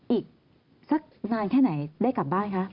อีกสักนานแค่ไหนได้กลับบ้านคะ